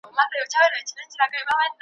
د واک ترلاسه کولو لپاره ګټه واخیسته ,